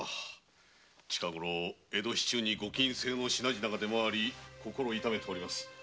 近ごろ江戸市中にご禁制の品々が出回り心を痛めております。